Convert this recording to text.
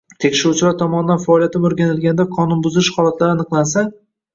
Tekshiruvchilar tomonidan faoliyatim o‘rganilganda qonunbuzilish holatlari aniqlansa